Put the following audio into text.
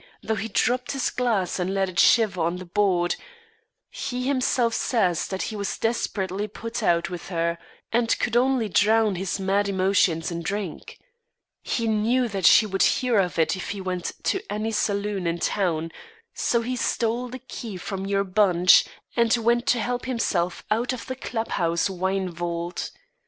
Though he dropped his glass, and let it shiver on the board, he himself says that he was desperately put out with her, and could only drown his mad emotions in drink. He knew that she would hear of it if he went to any saloon in town; so he stole the key from your bunch, and went to help himself out of the club house wine vault.